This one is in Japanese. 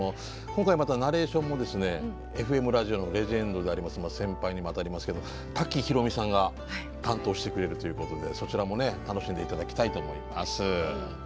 今回またナレーションもですねＦＭラジオのレジェンドであります先輩にもあたりますけど多喜ひろみさんが担当してくれるということでそちらも楽しんで頂きたいと思います。